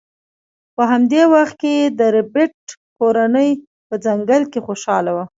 په همدې وخت کې د ربیټ کورنۍ په ځنګل کې خوشحاله وه